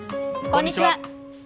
こんにちは。